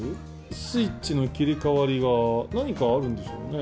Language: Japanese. スイッチの切り替わりが何かあるんでしょうかね。